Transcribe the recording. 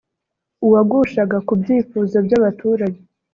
uwagushaga ku byifuzo by’abaturage